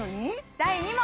第２問！